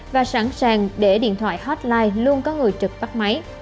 và sẵn sàng để điện thoại hotline luôn có người trực tắt máy